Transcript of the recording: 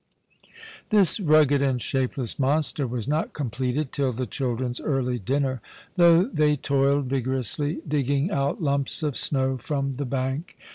This rugged and shapeless monster was not completed till the children's early dinner, though they toiled vigorously, digging out lumps of snow from the bank, 166 The Christmas Hirelings.